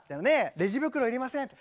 「レジ袋いりません」。